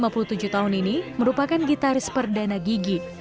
lima puluh tujuh tahun ini merupakan gitaris perdana gigi